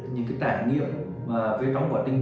những trải nghiệm về tóng vỏn chức